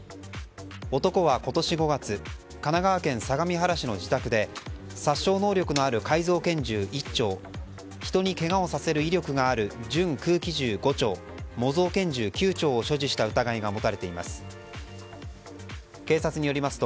男は今年５月神奈川県相模原市の自宅で殺傷能力のある改造拳銃１丁人にけがをさせる威力がある準空気銃５丁模造拳銃９丁を所持した疑いが持たれています。